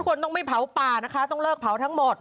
คนต้องไม่เผาป่านะคะต้องเลิกเผาทั้งหมด